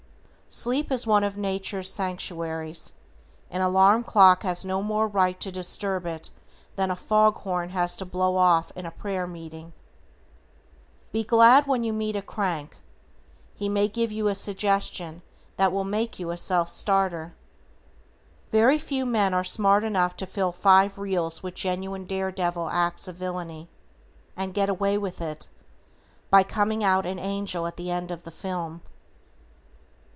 Sleep is one of Nature's sanctuaries; an alarm clock has no more right to disturb it than a fog horn has to blow off in a prayer meeting. Be glad when you meet "A Crank," he may give you a suggestion that will make you "A Self Starter." Very few men are smart enough to fill five reels with genuine dare devil acts of villainy, and get away with it, by coming out an angel at the end of the film.